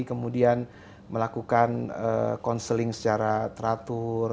kemudian melakukan konseling secara teratur